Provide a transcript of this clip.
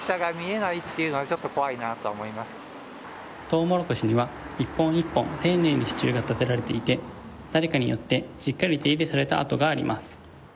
トウモロコシには１本１本丁寧に支柱が立てられていて誰かによって、しっかり手入れされた跡があります。